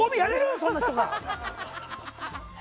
そんな人が。